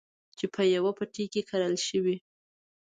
چې په يوه پټي کې کرل شوي.